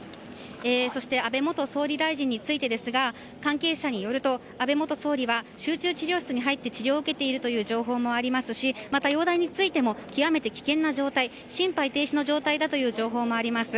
そして安倍元総理大臣についてですが関係者によると、安倍元総理は集中治療室に入って治療を受けているという情報もありますしまた容体についても極めて危険な状態心肺停止の状態だという情報もあります。